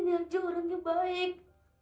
nini hati orang yang baik